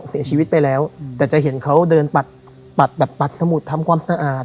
เสียชีวิตไปแล้วแต่จะเห็นเขาเดินปัดปัดแบบปัดสมุดทำความสะอาด